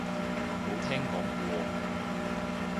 冇聽講過